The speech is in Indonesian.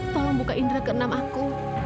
tolong buka indera kenam aku